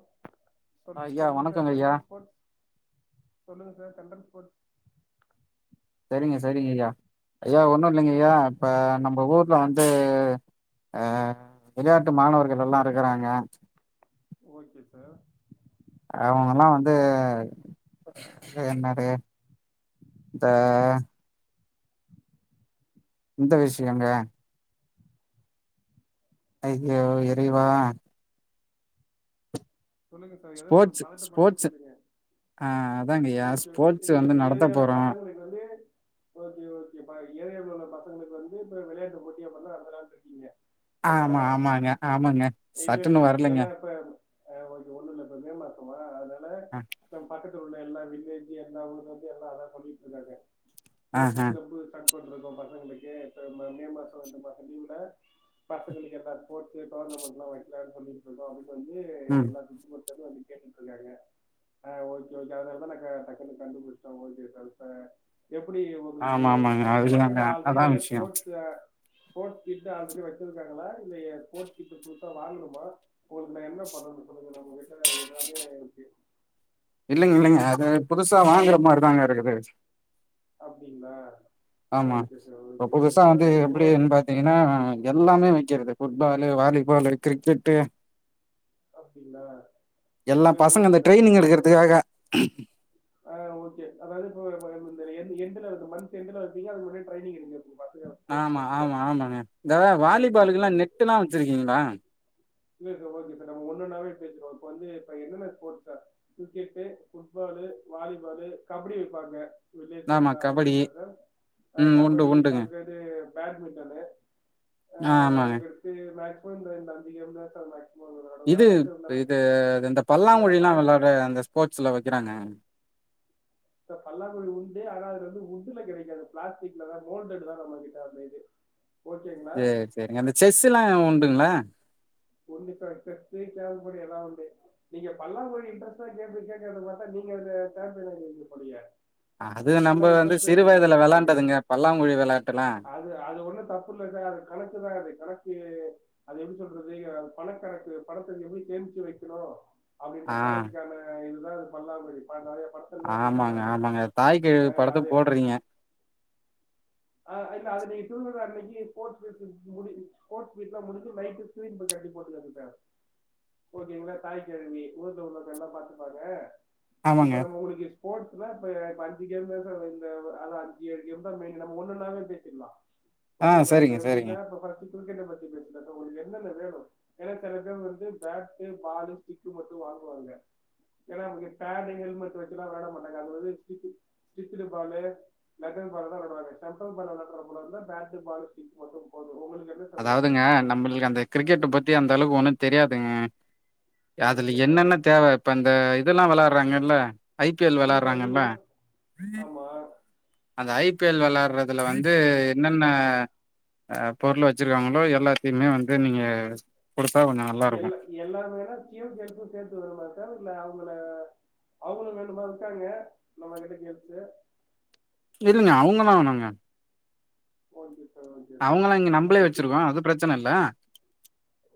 [inaudible] சொல் ஆ ஐயா சொல்லுங்க சார் வணக்கங்க ஐயா டெண்டர் ஸ்போர்ட்ஸ் சொல்லுங்க சார் [unintelligible] செரிங்க செரிங்க யா ஐயா ஒன்னும் இல்லங்கயா இப்ப ஆ நம்ப ஊர்ல வந்து அஹ் விளையாட்டு மாணவர்கள் எல்லாம் இருக்கறாங்க ஓகே சார் அவங்கல்லா வந்து என்னது இந்த இந்த விஷியோங்க ஐயோ இறைவா சொல்லுங்க சார் எத சொல் ஸ்போர்ட்ஸ் பதட்டப்படாம ஸ்போர்ட்ஸ் சொல்லுங்க ஆ அதாங்கய்யா ஓகே ஸ்போர்ட்ஸ் இல்ல இல்ல வந்து இப்ப நடத்த ஏரியால போறோ பசங்களுக்கு வந்து ஓகே ஓகேப்பா ஏரியாலுள்ள பசங்களுக்கு வந்து இப்ப விளையாட்டு போட்டிய [unintelligible] நடத்தாலுனுருக்கீங்க ஆமா ஆமாங்க ஆமாங்க சட்டுனு வரலைங்க ஓக்கே ஒண்ணுயில்ல இப்ப மேமாசமா அதா அ [unintelligible] உள்ள எல்லா வில்லேஜூ எல்லா ஊருலயிருந்து எல்லா அதா சொல்லிட்டுயிருக்காங்க ஆஹ ஸ்போர்ட்ஸ் கிளப்பு [unintelligible] [unintelligible] இருக்கோ பசங்களுக்கு இப்ப மே மே மாசோ வந்து பாத்த லீவுல பசங்களுக்கு ஏத்த ஸ்போர்ட்ஸு டோர்னமெண்ட்லா வக்கிலானு சொல்லிட்ருக்கோ அப்டினு வந்து [unintelligible] ம் கேட்டுட்டுயிருகாங்க ஆஹ் ஓகே ஓகே அதுனாலதா நாங்க டக்குன்னு கண்டுபிடிச்சுடோ [unintelligible] எப்டி உங்களுக்கு ஆமா ஆமாங்க அதுதாங்க பசங்க ஆல்ரெடி அதா நல்லா விஷயம் ஸ்போர்ட்ஸுல ஸ்போர்ட்ஸ் கிட் ஆல்ரெடி வெச்சிருக்காங்களா இல்ல ஸ்போர்ட்ஸ் கிட் புதுசா வாங்குமா உங்களுக்கு நா என்ன பண்ணனு சொல்லுங்க நம்மிட்ட எல்லாமே இருக்கு இல்லங்க இல்லங்க அது புதுசா வாங்குற மாரிதாங்க இருக்குது அப்படிங்களா ஆமா ஓகே சார் இப்ப ஓகே சார் புதுசா இப்போ வந்து ஸ்போர்ட்ஸ் எப்டினு பாத்தீங்கன்னா எல்லாமே விக்கிறது புட்பால் வாலிபால் கிரிக்கெட்டு அப்டிங்ளா எல்லா பசங்க அந்த ட்ரெயினிங் எடுக்குறதுக்காக அப்போ [unintelligible] இந்த எண்டுல இந்த மந்த் எண்டுல [unintelligible] ட்ரைனிங் [unintelligible] ஆமா கத்துக்க ஆமா ஆமாங்க இந்த ஓகே வாலிபாலுக்குல்லா நெட்டுலா வெச்சிருக்கீங்களா இல்ல சார் ஓகே சார் நம்ம ஒன்னொன்னாவே பேசிருவோ இப்ப வந்து இப்ப என்னென்ன sport sir cricket football volleyball kabaddi வெப்பாங்க ஆமா [unintelligible] கபடி உண்டுங்களா சார் ம் உண்டு கபடி உண்டுங்க அதுக்கடுத்தது பேட்மின்டனு ஆ ஆமாங்க அதுக்கடுத்து அப்போ இந்த இந்த [unintelligible] இருந்தா சார் [unintelligible] வேற இது ஏதாச்சும் இருந்தாலும் இது இந்த ஏன்னா பல்லாங்குழிலா ஹாக் விளாடுற அந்த ஸ்போர்ட்ஸ்ல வெக்கிறாங்க [inaudible] சார் பல்லாங்குழி உண்டு ஆனா அது வந்து வுட்டு்ல கெடைக்காது பிளாஸ்டிக்ல தா மோல்டட்தா நம்ம கிட்ட அந்த இது ஓகேங்களா சேரி செரிங்க அந்த செஸ்ஸுலா உண்டு ங்களா உண்டு சார் செஸ் கேரம்போர்டு எல்லா உண்டு நீங்க பல்லாங்குழி இன்ட்ரெஸ்ட்டா கேக்கு கேட்குறத பாத்தா நீங்க சாம்பியனா இருப்பீங்க போலயே அது நல்ல நம்ம வந்து இன்ட்ரெஸ்ட் சிறு இருக்கு போலயே வயதுல உங்களுக்கு வெளாண்டதுங்க பல்லாங்குழி வெளாட்டுல்லா அது அது ஒண்ணு தப்பில்ல சார் அது கணக்குதா அது கணக் அது அது எப்டி சொல்றது ங்க பணக்கணக்கு பணத்தை எப்படி சேமிச்சு வைக்கணும் அப்டின்ற ஆ கணக்குக்கான இது ஆ பண்லா அது மாரி [unintelligible] நெறையா ஆமாங்க ஆமாங்க தாய் கெழவி அஹ் படத்த போட்றீங்க ஆ இல்ல அது நீங்க [unintelligible] அன்னக்கி இது ஸ்போர்ட்ஸ் [unintelligible] முடி ஸ்போர்ட்ஸ் மீட் எல்லா முடிஞ்சு நைட்டு தூக்கினு போய் கட்டி போட்டுட்டு வந்துட்டாங்க ஓகேங்களா தாய்க்கெழவி உயர்ந்த உள்ளத்த எல்லா பாத்துப்பாங்க ஆமாங்க இப்ப நம்ம [unintelligible] ஸ்போர்ட்ஸ்ல இப்ப இப்ப அஞ்சு கேம்தா சார் இந்த ஆனா அஞ்சு ஆறு கேம்தா மெய்ன் நம்ம ஒண்ணு ஒண்ணாவே பேசிடலா. ஆ ஓக்கேங்லா இப்ப சரிங்க சரிங்க எப்டினா [unintelligible] கிரிக்கெட்ட பத்தி பேசு [unintelligible] என்னென்ன வேணு ஏன்னா சில பேர் வந்து பேட்டு பாலு ஸ்டிக்கு மட்டு வாங்குவாங்க ஏன்னா அவங்க பேடு ஹெல்மெட் வச்சல்லா வெளையாட மாட்டாங்க அது வந்து ஸ்டிச்சு ஸ்டிச்சிடு பாலு லெதர் பால்தா வெளையாடுவாங்க சென்ட்ரல் [unintelligible] வெளையாடற போல இருந்தா பேட்டு பாலு சீட் மட்டு போது அதாவதுங்க நம்மளுக்கு அந்த கிரிக்கெட பத்தி அந்த அளவுக்கு ஒண்ணும் தெரியாதுங்க ய அதுல ஓகே என்னென்ன தேவ இப்ப அந்த இதெல்லாம் வெலா [unintelligible] ஐ பி எல் இல்ல சார் நீங்க வெளையாட்றாங்கல்ல மட்- ஆமா அந்த ஐ பி எல் வெளையாடுறதுல வந்து என்னென்ன ஆ பொருள் வச்சிருக்காங்களோ எல்லாத்தையுமே வந்து நீங்க குடுத்தா கொஞ்சம் நல்லாருக்கும். எல்லா எல்லாமே [unintelligible] சேர்த்து வர மாரி சார் இல்ல அவங்கள அவங்களும் வேண்டுமா இருக்காங்க நம்ம கிட்ட [unintelligible] இல்லங்க அவங்கலாம் வேனாங்க [unintelligible] சார் அவங்களாம் இங்க அப்ப நம்பமளே கி வச்சிருக்கோம் அதுவும் பிரச்சனை இல்ல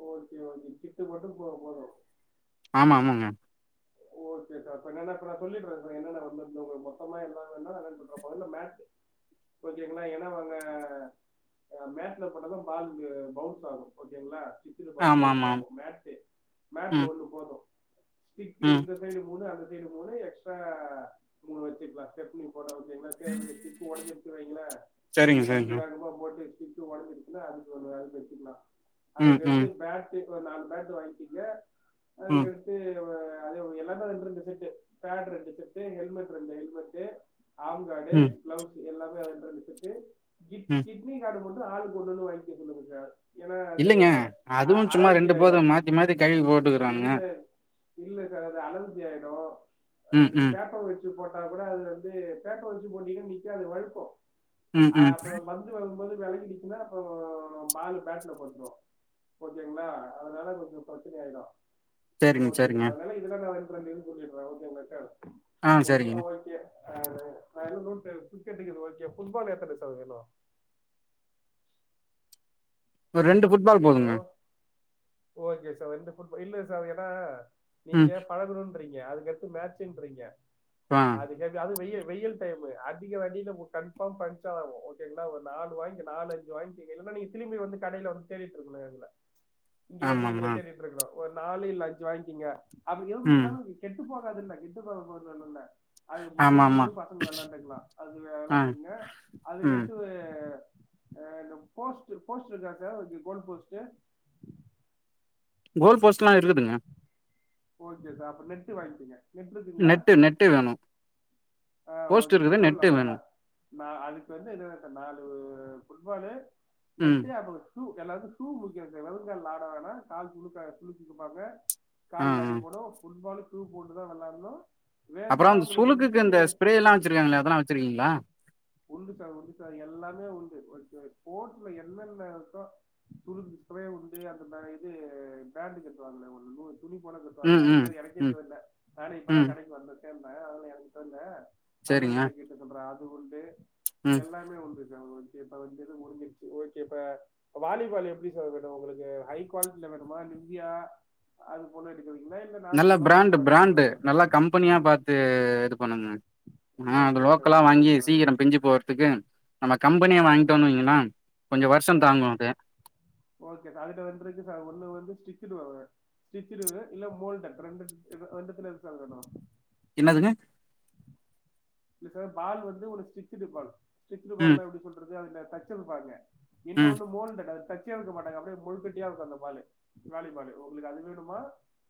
ஓகே ஓகே கிட்டு மட்டும் போ போதும் ஆமா, ஆமாங்க. ஓகே சார் இப்ப என்னனா இப்ப நான் சொல்லிடுறேன் சார் என்னென்ன வந்த உங்க மொத்தமா என்ன வேணுனா [unintelligible] இந்த மேட் ஓகேங்களா ஏன்னா அங்க மேட்ல பட்டா தா பாலு பவுன்ஸ் ஆகும் ஓகேங்களா [unintelligible] பாலு ஆமாமா. பவுன்ஸ் மேட்டு மேட்டு ம், ஒண்ணு போதும் [unintelligible] ம். இந்த சைடு மூணு அந்த மெய்ன் மூணு எக்ஸ்ட்ரா மூணு வச்சுக்கலா ஸ்டெப்னி போட உட்டீங்களா [unintelligible] ஸ்டிக்கு ஒடைஞ்சிட் [unintelligible] சரிங்க, நீங்க பந்து சரிங்க. வேகமா போட்டு ஸ்டிக்கு ஒடஞ்சிருக்கல்ல அதுக்கு ஒண்ணு வாங்கி வெச்சுக்கலா ம், ம், அதுக்கடுத்து பேட்டு ஒரு நாலு பேட்டு வாங்க்கிங்க ம், அதுக்கடுத்து ஆ அதே மாரி எல்லாமே ரெண்டு ரெண்டு செட்டு பேடு ரெண்டு செட்டு ஹெல்மெட் ரெண்டு ஹெல்மெட்டு ஆந்தடே ம், கிளவ்ஸ் எல்லாமே வந் ம். கிட்-கிட்னி கார்டு [unintelligible] ஆள்ளுக்கு ஒன்னு ஒன்னு வாங்கி [unintelligible] இல்லைங்க அதுவு சும்மா ரெண்டு ஆயிடும் பேரும் மாத்தி மாத்தி கை போட்டுக்கறானங்க இல்ல இல்ல சார் அது அலர்ஜி ஆயிடு ம் ம் ச்சு போட்டா கூட அது வந்து பேட்ட வச்சு போட்டீங்கன்னா நிக்காது வழுக்கு ம், ம். அப்றோ பந்து வரும்போது வெலகிடுச்சுனா அப்போ பால் பேட்ல பட்ரு ஓகேங்களா அதனால கொஞ்சோ பிரச்சன ஆயிடு சேரிங்க சா சரி அதுனால [unintelligible] [unintelligible] ஓகேங்களா சார் ஆ, சரிங்க. பொண்ணெல்லா ஓகே ஆ [unintelligible] கிரிக்கெட்டுக்கு இது ஓகே ஃபுட்பால் எத்தன சார் வேணு ஒரு ரெண்டு ஃபுட் ஃபுட்பால் ஹலோ போதுங்க ஓகே சார் வந்து ஃபுட் இல்ல சார் ஏன்னா ம் நீங்க பலகனுன் ன்றீங்க அதுக்கடுத்து மேச்சுன்றீங்க ஆ அது கேக்க அது வெய வெயில் டைமு அதிக அடில உங்களுக்கு கான்ஃபார்ம் பஞ்சர் ஆகு ஓகேங்களா ஒரு நாலு வாங்கி நாலு அஞ்சி வாங்கிக்கங்க இல்லனா திலும்பி வந்து கடைல வந்து தேடிட்டு இருக்கோ இன்னு இல்ல இங்க வந்து ஆமாம்மா எங்களுக்கு [unintelligible] ஒரு நாலு இல்ல அஞ்சு வாங்கிக்கிங்க ம் [unintelligible] கெட்டு போக [unintelligible] அது முடிஞ்சு ஆமாம்மா கூட பசங்க விளாண்டுக்கலா அது ஆ விளையாண்டுங்க ம் அதுக்கடுத்து ஹ இந்த போஸ்ட் போஸ்ட் இருக்கா sir goal post goal post எல்லா இருக்குதுங்க ஓகே சார் அப்ப நெட்டு வாங்கிக்கோங்க நெட் இருக்குங்களா நெட்டு நெட்டு வேணு போஸ்ட் இருக்குது நெட்டு வேணும் ந அதுக்கு வந்து [unintelligible] இது நாலு ஃபுட்பால்லு ம் மெட்டு [unintelligible] ஷூ எல்லாத்துக்கு ஷூ முக்கியோ சார் வெறுங்கால்ல ஆட வேணா கால் சுழுக்காயிரு சுழுக்கிக்குவாங்க ஆ கால்ல ஆ அடி படு ஃபுட்பாலுக் சூ போட்டுதான் வெள்ளானும் அப்றோ அந்த சுளுக்குக்கு இந்த ஸ் உண்டு சார் உண்டு சார் எல்லாமே உண்டு உங்களுக்கு ஸ்போர்ட்ஸ்ல என்னென்ன இருக்கோ சுளுக்கு ஸ்பரே உண்டு அது மா இது பேட்டு [unintelligible] துணி போல கட்டுவாங்க ம் மேல அது ம் பேரு எனக்கே ம் தெரியல நானே இப்பதா ம் கடைக்கி வந்தது ஏன்னா [unintelligible] எடுத்துட்டு வந்தே அண்ணன் சரிங்க கிட்ட கேட்டு சொல்றா அது [unintelligible] ம் எல்லாமே உண்டு சார் [unintelligible] சேரி இப்ப வந்து இது முடிஞ்சிருச்சு ஓகே இப்ப வாலிபால் எப்டி சார் வேணு உங்களுக்கு ஹை குவாலிட்டில வேணுமா இல்ல [unintelligible] அது போல எடுக்கிறீங்களா இல்ல நல்ல நார்மல் லோக்கல் பிராண்டு பாட்டு வருமா பிராண்டு சார் நல்லா கம்பெனியா பாத்து இது பண்ணுங்க ஆ அது ஓகே சார் லோக்கலா ஓகே வாங்கி சார் சீக்கிரம் பிஞ்சு போறதுக்கு நம்ம கம்பெனியா ஆ வாங்கிட்டோன்னு வைங்களே கொஞ்சம் ஆ வருஷம் தாங்கும்து ஓகே சார் அதுல ரெண்டு இருக்கு சார் ஒண்ணு வந்து ஸ்டிச்சிடு வரு ஸ்டிச்சிடு வரு இல்ல மோல்டட் ரெண்டட் ரெண்டுத்துல எது சார் வேணு என்னதுங்க இல்ல சார் பால் வந்து ஒண்ணு ஸ்டிச்சிடு பால் ஸ்டிச்டு ம் பாலுனா எப்டி சொல்றது [unintelligible] தைச்சது பாருங்க ம் இன்னொன்னு [unintelligible] ச்சே இருக்க மாட்டாங்க அப்டியே மொழுக்கட்டியா இருக்கும் அந்த பாலு. வாலி பாலு உங்களுக்கு அது வேணுமா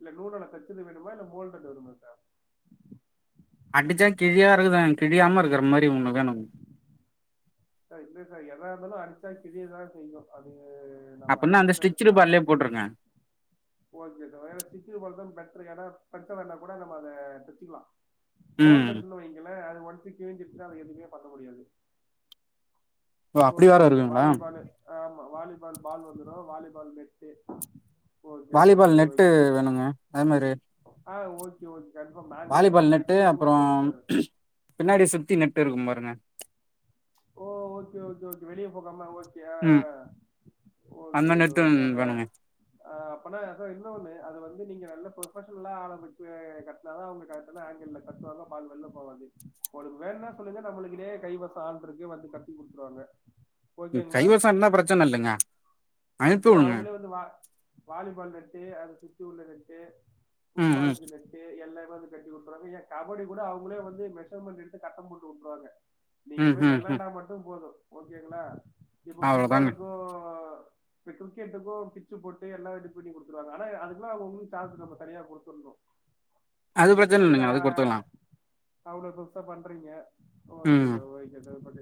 இல்ல நூலால தச்சது வேணுமா இல்ல மோல்டடு வேணுமா சார் அடிச்சான் கிழியா இருக்குத கிழியாம இருக்கிற மாதிரி ஒண்ணு வேணும் ச இல்ல சார் எதா இருந்தாலும் அடிச்சா கிழயதான் செய்யும் அது அது நம்ம அப்பன்னா அந்த அடிக்கிறத ஸ்டிச்சடு வச்சுதா பால்லே போட்ருங்க ஓகே சார் ஏன்னா ஸ்டிச்சிடு பால்தா பெட் [unintelligible] வேனா கூட நம்ம அத தச்சிக்கலாம் ம் போல்டன்ன்ல வைங்களேன் அது அடிச்சி கிளிஞ்சிருச்சினா அது எதுமே பண்ண முடியாது ஓ அப்டி வேற இருக்குங்களா ஆமா வாலிபால் பால் வந்துரு volleyball net okay sir volleyball அது நெட்டு வேணுங்க அதே மாரி ஆஹ் ஓகே ஓகே கன்ஃபார்ம் நாங்களே வந்து வாலிபால் கட்டி நட்டு கூட அப்புறோ கொடுத்துருவோம் சார் பின்னாடி சுத்தி நட் ட்டு இருக்கும் பாருங்க ஓ ஓகே ஓகே ஓகே வெளிய போகாம ஓக் உம் அந்த நட்டு [unintelligible] ஆஹ் அப்பனா சார் இன்னொண்ணு அது வந்து நீங்க நல்ல ப்ரொபஷனலா ஆரம்பிச்சி கட்னாதான் அவங்க கரெக்ட்டான ஆங்கிள்ல கட்டுவாங்க பால் வெள்ள போவாது உங்களுக்கு வேன்னா சொல்லுங்க நம்மகிட்டயே கைவசம் ஆள் [unintelligible] வந்து கட்டி குடுத்துருவாங்க ம் ஓகேங்களா? கைவசோ இருந்தா பிரச்சன இல்லங்க ஏன்னா அவங்களே வந்து வா வாலிபால் நட்டு அத சு [unintelligible] ம் ம் ஃபுட்பால்க்கு நெட்டு எல்லா வந்து கட்டி உட்ருவாங்க ஏன் கபடி கூட அவங்களே வந்து மெஷர்மெண்ட் எடுத்து கட்டம் போட்டு விட்ருவாங்க நீங்க ம் போய் ம் ம் வெள்ளாண்டா மட்டும் போதும் ஓகேங்களா இப்போ அவ்ளோதாங்க ஃபுட்பால்லுக்கும் இப்ப கிரிக்கெட்டுக்கும் பிட்சு போட்டு எல்லா ரெடி பண்ணி குடுத்துருவாங்க ஆனா அதுக்கெல்லா அவவுங்களுக்கு சார்ஜ் நம்ம தனியா குடுத்தரனு அது ஏன்னா பிரச்சன நீங்க இல்லைங்க அது குடுத்துக்கலா அவ்ளவு புதுசா பண்றீங்க ஓகே ம் sir okay sir but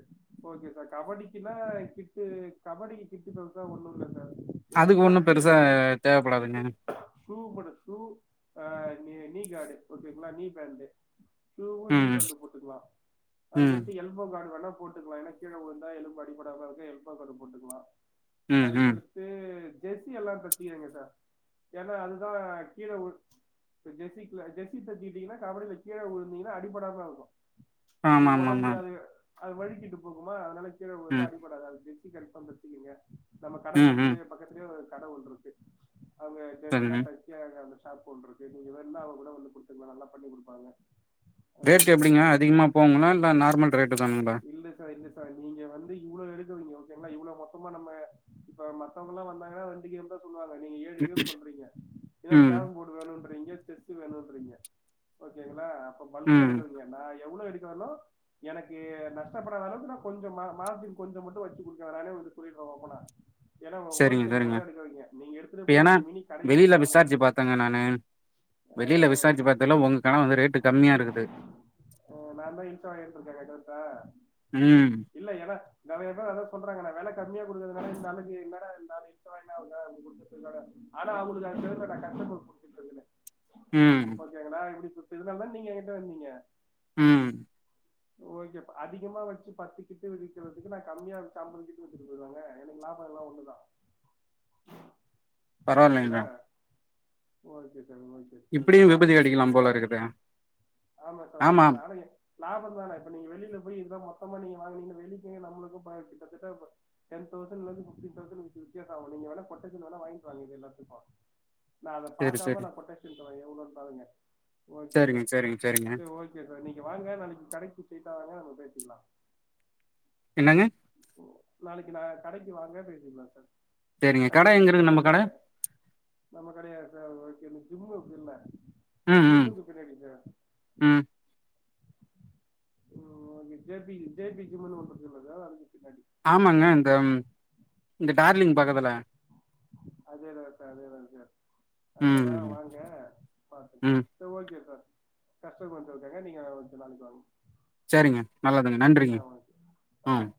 okay sir கபடிக்கின்னா கிட்டு கபடிக்கு கிட்டு சொல் ஹ ஒண்ணும் இல்ல சார் அதுக்கு ஒண்ணும் பெருசா எல்லாருக்கு தேவைப்படாதுங்க ஷூ போடு ஷூ ஆ நீ நீ காடு ஓக்கெங்களா நீ பேண்டு ஷூவும் நீ ம் பேண்டு போட்டுக்கலாம் ம் அதுகடுத்து எல்போ கார்ட் வேணா போட்டுக்கலா ஏன்னா கீழ விழுந்தா எலும்பு அடிபடாம இருக்க எல்போ கார்டு போட்டுக்கலா ம் ம் அதுக்கடுத்து ஜெர்ஸி எல்லாம் தச்சிடுங்க சார் ஏன்னா அதுதான் கீழ உள் ஜெர்சி ஜெர்ஸி தச்சிட்டீங்கன்னா கபடில கீழ உழுந்தீங்கன்னா அடிப்படாம இருக்கும் ஆமா [unintelligible] ஆமா ஆமா ஒடம்புலயாது அது வழுக்கிட்டு போகுமா அதனால கீழ விழுந்தா ம் அடிபடாது அது [unintelligible] [unintelligible] வச்சுக்கங்க நம்ம கட ம் பத்தி ம் பக்கத்துலயே [unintelligible] கட ஒண்ணு இருக்கு அவங்க சரிங்க ட்ரெஸ்லாம் தச்சி [unintelligible] [unintelligible] இருக்கு நீங்க வேண்ணா அது கூட வந்து குடுத்துக்கலா நல்லா பண்ணி குடுப்பாங்க அத வந்து ரேட் எப்டிங்க பச்சுக்கீங்க அதிகமா போகுங்களா இல்ல நார்மல் ரேட்டு தானுங்களா இல்ல சார் இல்ல சார் நீங்க வந்து இவ்வளவு எழுக்கவீங்க இல்லன்னா இவ்ளவு மொத்தமா நம்ம இப்ப மத்தவங்க எல்லா வந்தாங்கன்னா வண்டிக்கு வந்து [unintelligible] சொல்றீங்க இல்ல ம் கேரம் போர்ட வேணும்ன்றீங்க [unintelligible] வேணும்றீங்க ஓகேங்களா பல்க ம் அடிக்கது [unintelligible] எவ்வளவு அடிக்கு [unintelligible] எனக்கு நஷ்டப்படாத அளவுக்கு நா கொஞ்சம் மா மார்ஜின் கொஞ்சம் மட்டும் வச்சு குடுக்க வேணானே உங்க கிட்ட சொல்லிருவேன் ஒப்பனா ஏன்னா சரிங்க ஹோல்சேல் சரிங்க. கூடதா எடுக்கறீங்க நீங்க எடுத்துட்டு இப்ப போய் ஏன்னா நீங்க மினி கடையே வெளியில வைக்கலாம் போல விசாரிச்சு பாத்தேங்க நானு. ஆ வெளியில விசாரிச்சு பாத்ததுல உங்க கனவு வந்து ரேட்டு ஆ கம்மியா இருக்குது. ஆ நாந்தா இளிச்சவாயன்ருக்கேன் [unintelligible] ஆ ம் நெறயா பேர் அதா சொல்றாங்க நா வெல கம்மியா குடுக்கறது [unintelligible] ம், ஓகேங்லா இப்டி சு இதுனால தான நீங்க என் கிட்ட வந்தீங்க உம் ஓகேப்பா அதிகமா வச்சு பத்துக்கிட்டு விக்கறதுக்கு நான் கம்மியா வச்சி அம்பது கிட்டு வித்துட்டு போயிருவேனே எனக்குலாபம்ல்லாம் ஒண்ணுதான் பரவாயில்லைங்க. ஓகேங்களா okay [unintelligible] okay sir okay sir இப்படியும் விபதி சாப்ட்டுட்டு இருக்கீங்க அடிக்கலாம் போல இருக்குதே. ஆமா சார் அடிக்கல ஆமாம். ஆனா லாபந்தானே இப்ப நீங்க வெளில போய் இந்த [unintelligible] ஆமா நீங்க வாங்குனீங்கன்னா வெளிக்கு நமக்கு கிட்டத்தட்ட டென் தௌசண்ட்லந்து ஃபிஃப்டீன் தௌசண்ட் வரக்கி வித்தியாசோ ஆவு நீங்க வேண்ணா கொட்டேஷன் வேணா வாங்கிட்டு வாங்க இது எல்லாத்துக்கு நா அத சரி, பாக்காம சரி. நா கொட்டேஷன் தர எவ்ளோன்னு பாருங்க ஓகே சரிங்க, சார் சரிங்க, சரிங்க. சேரி ஓகே சார் நீங்க வாங்க நாளைக்கி கடைக்கி ஸ்ட்ரெய்ட்டா வாங்க நம்ம பேசிக்கலா என்னங்க ம் நாளைக்கு நா கடைக்கு வாங்க பேசிக்கலா சார் சரிங்க. கடை கடைக்கு எங்க ஸ்ட்ரைட் டா இருக்கு நம்ம வாங்க கடை? நம்ம கடைய [unintelligible] ஜிம்மு இருக்கல்ல ம், ம், ஜிம்முக்கு பின்னாடி சார் ம். ம் இங்ல ஜே பி ஜே பி ஜிம்முன்னு ஒண்ணு இருக்கல்ல சார் அதுக்கு பின்னாடி ஆமாங்க இந்த இந்த டார்லிங் பக்கத்துல அதேதான் சார் அதேதான் சார் ம், அங்கதான் வாங்க பாத்துக்கலாம் ம். சார் ஓகே சார் கஸ்டமர் வந்துருக்காங்க நீங்க கொஞ்ச நாளைக்கு வாங்க சரிங்க நல்லதுங்க நன்றிங்க ஆ ஓகே ஆ உம்